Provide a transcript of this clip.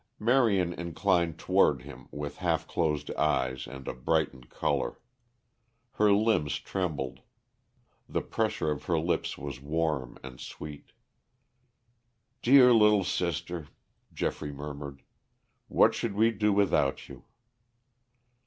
Marion inclined toward him with half closed eyes and a brightened color. Her limbs trembled; the pressure of her lips was warm and sweet. "Dear little sister," Geoffrey murmured. "What should we do without you?"